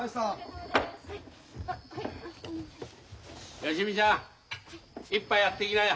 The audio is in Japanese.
芳美ちゃん一杯やってきなよ。